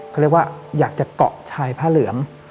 เขาเรียกว่าอยากจะเกาะชายผ้าเหลือง